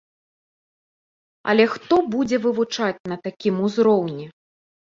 Але хто будзе вывучаць на такім узроўні?